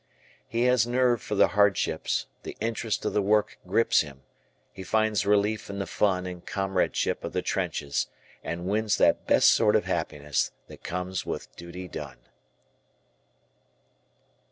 He has nerve for the hardships; the interest of the work grips him; he finds relief in the fun and comradeship of the trenches and wins that best sort of happiness that comes with duty done.